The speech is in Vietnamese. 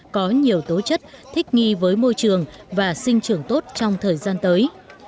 có nhiều tố chất thích nghi với môi trường và sinh trưởng tốt trong thời gian tới